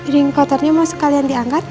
ring kotornya mau sekalian diangkat